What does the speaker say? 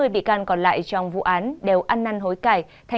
năm mươi bị can còn lại trong vụ án đều ăn năn hối cải